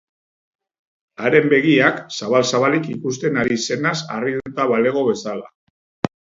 Haren begiak, zabal-zabalik, ikusten ari zenaz harrituta balego bezala.